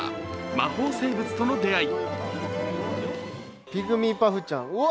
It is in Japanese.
魔法生物との出会い。